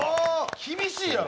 厳しいやろ！